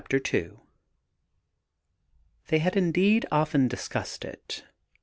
18 II i^HEY had indeed often discussed it.